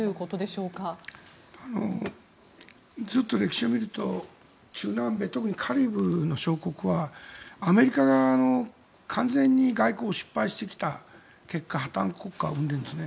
ちょっと歴史を見ると中南米、特にカリブの小国はアメリカ側の完全に外交に失敗してきた結果破たん国家を生んでいるんです。